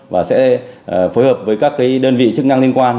và sẽ phối hợp với các đơn vị chức năng liên quan